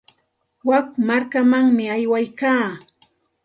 Wik markamanmi aywaykaa.